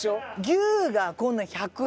牛がこんな１０８円。